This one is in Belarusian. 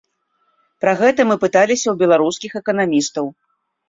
Пра гэта мы пыталіся ў беларускіх эканамістаў.